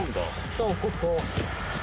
そうここ。